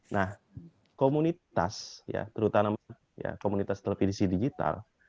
nah komunitas ya terutama komunitas televisi digital